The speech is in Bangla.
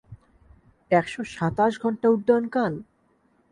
একশ সাতাশ ঘন্টা উড্ডয়নকাল!